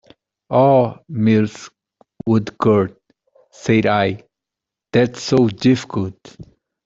"Oh, Mrs. Woodcourt," said I, "that is so difficult!"